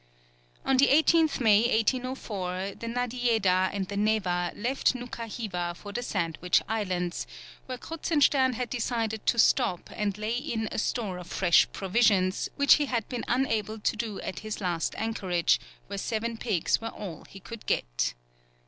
On the 18th May, 1804, the Nadiejeda and the Neva left Noukha Hiva for the Sandwich Islands, where Kruzenstern had decided to stop and lay in a store of fresh provisions, which he had been unable to do at his last anchorage, where seven pigs were all he could get.